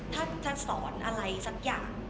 ถ้าจะสอนอะไรสักอย่าง